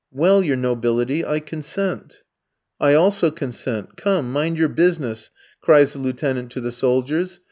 "Well, your nobility, I consent." "I also consent. Come, mind your business," cries the lieutenant to the soldiers.